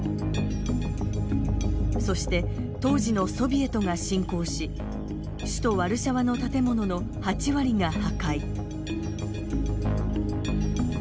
そして、当時のソビエトが侵攻し首都ワルシャワの建物の８割が破壊。